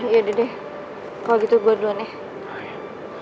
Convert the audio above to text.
yaudah kalau gitu gua duluan ya